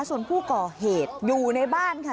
ส่วนผู้ก่อเหตุอยู่ในบ้านค่ะ